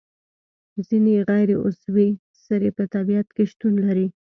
ځینې غیر عضوي سرې په طبیعت کې شتون لري.